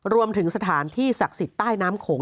รวมถึงสถานที่ศักดิ์สิทธิ์ใต้น้ำโขง